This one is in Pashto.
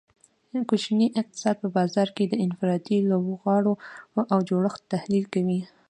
کوچنی اقتصاد په بازار کې د انفرادي لوبغاړو او جوړښت تحلیل کوي